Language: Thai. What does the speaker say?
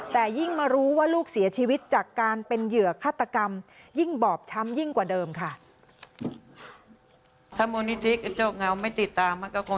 แต่ยิ่งมารู้ว่าลูกเสียชีวิตจากการเป็นเหยื่อฆาตกรรมยิ่งบอบช้ำยิ่งกว่าเดิมค่ะ